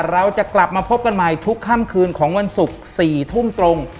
เราจะกลับมาพบกันใหม่ทุกค่ำคืนของวันศุกร์๔ทุ่มตรง